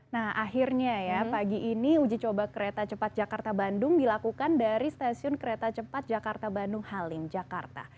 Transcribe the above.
nah akhirnya ya pagi ini uji coba kereta cepat jakarta bandung dilakukan dari stasiun kereta cepat jakarta bandung halim jakarta